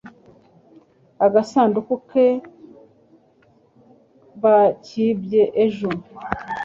Agasanduku ke bakibye ejo